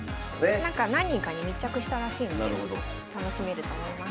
何人かに密着したらしいので楽しめると思います。